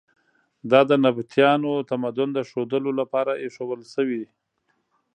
دا د نبطیانو تمدن د ښودلو لپاره ایښودل شوي.